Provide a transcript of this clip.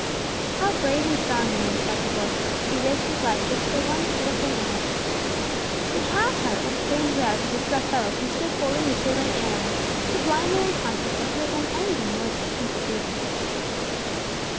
"How brave and strong he is," thought the boy. "He risked his life for just one pitiful little lamb." The child's heart went strangely out to this rough fellow who stood holding the shivering animal, sublimely unconscious that he had done anything more than a simple duty.